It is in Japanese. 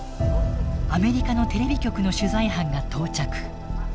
アメリカのテレビ局の取材班が到着。